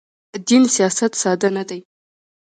دین سیاست ساده نه دی.